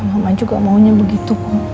ya mama juga maunya begitu bu